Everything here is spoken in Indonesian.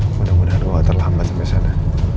mudah mudahan allah terlambat sampe sana